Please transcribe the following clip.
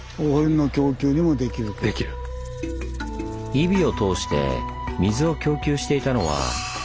井樋を通して水を供給していたのは多布施川。